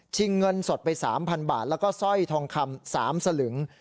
ชิงเงินสดไปสามพันบาทแล้วก็สร้อยทองคำสามสลึง